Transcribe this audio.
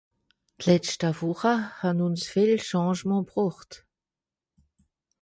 D’letschte Wùche hàn ùns viel Changement gebroocht.